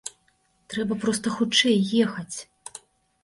Трэба проста хутчэй ехаць!